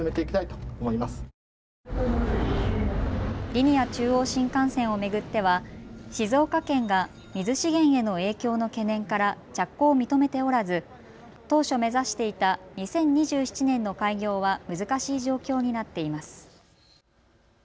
リニア中央新幹線を巡っては静岡県が水資源への影響の懸念から着工を認めておらず当初目指していた２０２７年の開業は難しい状況になっています。